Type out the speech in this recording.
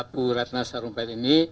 bu ratna sarumpel ini